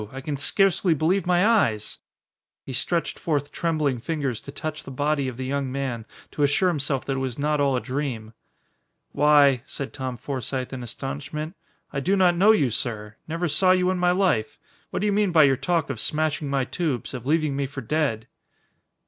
I can scarcely believe my eyes!" He stretched forth trembling fingers to touch the body of the young man to assure himself that it was not all a dream. "Why," said Tom Forsythe, in astonishment. "I do not know you, sir. Never saw you in my life. What do you mean by your talk of smashing my tubes, of leaving me for dead?"